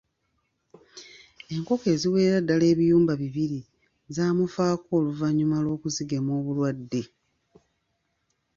Enkoko eziwerera ddala ebiyumba bibiri zaamufaako oluvannyuma lw'okuzigema obulwadde.